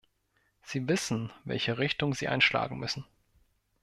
Sie wissen, welche Richtung sie einschlagen müssen.